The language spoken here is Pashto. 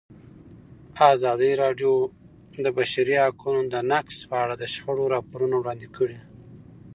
ازادي راډیو د د بشري حقونو نقض په اړه د شخړو راپورونه وړاندې کړي.